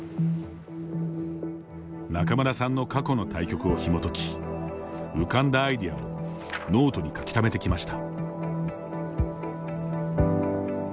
仲邑さんの過去の対局をひも解き浮かんだアイデアをノートに書きためてきました。